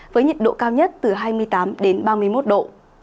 với nhiệt độ cao nhất từ hai mươi tám đến ba mươi một độ